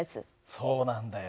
そうなんだよ。